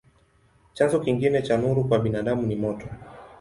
Chanzo kingine cha nuru kwa binadamu ni moto.